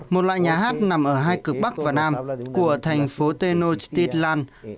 một loại nhà hát nằm ở hai cực bắc và nam của thành phố tenostitlan